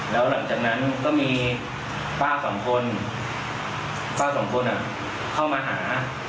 แล้วหลังจากนั้นก็มีป้า๒คนเข้ามาหา